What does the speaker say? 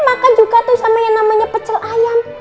makan juga tuh sama yang namanya pecel ayam